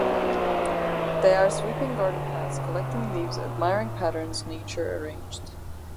They are sweeping garden paths, collecting leaves, admiring patterns nature arranged.